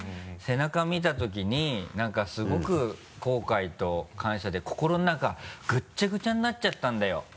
「背中見たときに何かすごく後悔と感謝で心の中ぐっちゃぐちゃになっちゃったんだよ」